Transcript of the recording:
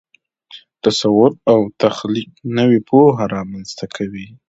تصور او تخلیق نوې پوهه رامنځته کوي.